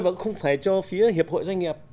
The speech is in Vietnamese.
và cũng không phải cho phía hiệp hội doanh nghiệp